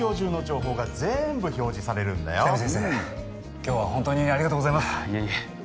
今日は本当にありがとうございますいえいえ